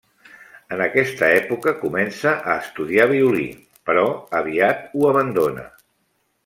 En aquesta època comença a estudiar violí, però aviat ho abandona.